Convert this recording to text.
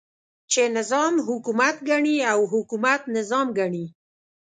چې نظام حکومت ګڼي او حکومت نظام ګڼي.